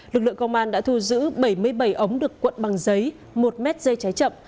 lực lượng công an đã thu giữ bảy mươi bảy ống được cuộn bằng giấy một mét dây cháy chậm